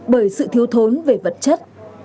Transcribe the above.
bởi sự thiếu thốn về vật chất